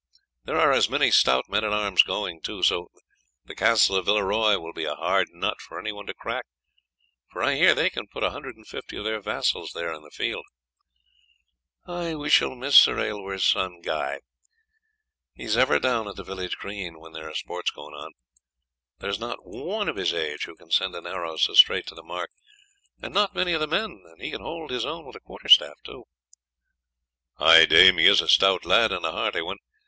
There are as many stout men at arms going too; so the Castle of Villeroy will be a hard nut for anyone to crack, for I hear they can put a hundred and fifty of their vassals there in the field." "We shall miss Sir Aylmer's son Guy," the woman said; "he is ever down at the village green when there are sports going on. There is not one of his age who can send an arrow so straight to the mark, and not many of the men; and he can hold his own with a quarter staff too." "Ay, dame; he is a stout lad, and a hearty one.